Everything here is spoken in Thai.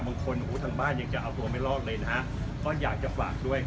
หูทางบ้านยังจะเอาตัวไม่รอดเลยนะฮะก็อยากจะฝากด้วย